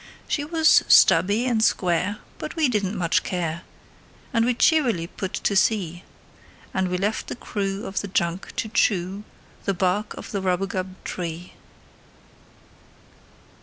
She was stubby and square, but we didn't much care, And we cheerily put to sea; And we left the crew of the junk to chew The bark of the rubagub tree.